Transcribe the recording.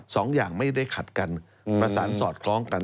สองอย่างไม่ได้ขัดกันประสานสอดคล้องกัน